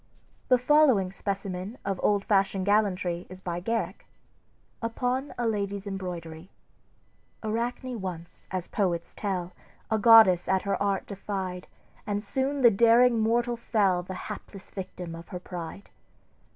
The following specimen of old fashioned gallantry is by Garrick: "UPON A LADY'S EMBROIDERY "Arachne once, as poets tell, A goddess at her art defied, And soon the daring mortal fell The hapless victim of her pride.